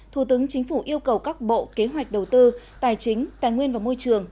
thủ tướng chính phủ yêu cầu các bộ kế hoạch đầu tư tài chính tài nguyên và môi trường